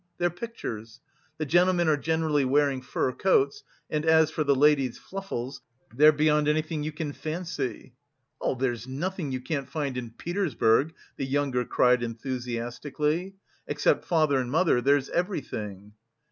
They're pictures. The gentlemen are generally wearing fur coats and for the ladies' fluffles, they're beyond anything you can fancy." "There's nothing you can't find in Petersburg," the younger cried enthusiastically, "except father and mother, there's everything!"